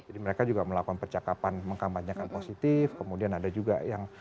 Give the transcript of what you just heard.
jadi mereka juga melakukan percakapan mengkampanyakan positif kemudian ada juga yang